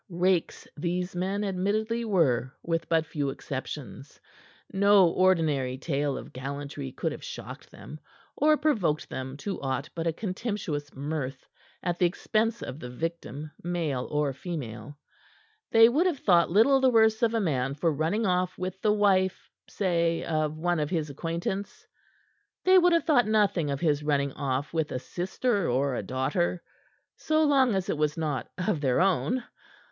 Rakes these men admittedly were with but few exceptions. No ordinary tale of gallantry could have shocked them, or provoked them to aught but a contemptuous mirth at the expense of the victim, male or female. They would have thought little the worse of a man for running off with the wife, say, of one of his acquaintance; they would have thought nothing of his running off with a sister or a daughter so long as it was not of their own.